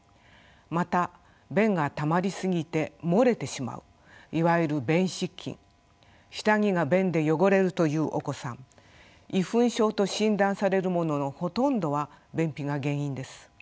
また便がたまり過ぎて漏れてしまういわゆる便失禁下着が便で汚れるというお子さん遺糞症と診断されるもののほとんどは便秘が原因です。